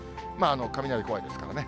雷怖いですからね。